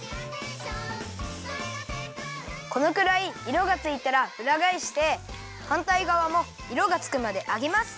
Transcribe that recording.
このくらいいろがついたらうらがえしてはんたいがわもいろがつくまで揚げます。